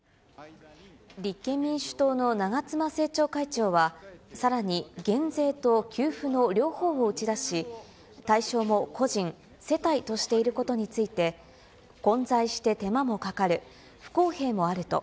立憲民主党の長妻政調会長は、さらに減税と給付の両方を打ち出し、対象も個人、世帯としていることについて、混在して手間もかかる、不公平もあると。